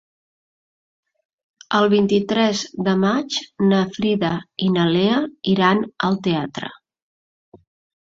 El vint-i-tres de maig na Frida i na Lea iran al teatre.